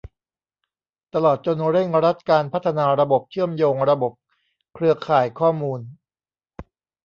ตลอดจนเร่งรัดการพัฒนาระบบเชื่อมโยงระบบเครือข่ายข้อมูล